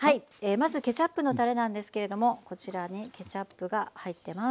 まずケチャップのたれなんですけれどもこちらねケチャップが入ってます。